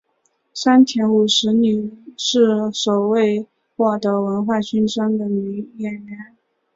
山田五十铃是首位获得文化勋章的女演员。